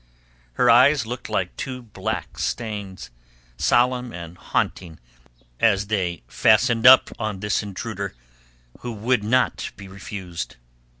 Her eyes looked like two black stains, solemn and haunting as they fastened up on this intruder who would not be refused.